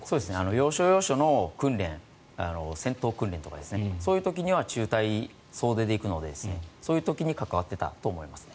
要所要所の訓練戦闘訓練とかそういう時には中隊総出で行くのでそういう時に関わっていたと思いますね。